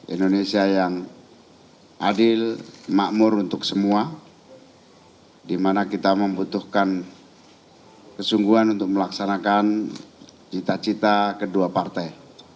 indonesia yang adil makmur untuk semua di mana kita membutuhkan kesungguhan untuk melaksanakan cita cita kedua partai